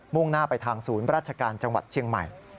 ่งหน้าไปทางศูนย์ราชการจังหวัดเชียงใหม่